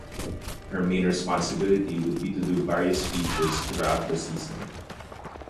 Her main responsibility would be to do various features throughout the season.